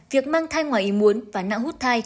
việc mang thai ngoài y muốn và nã hút thai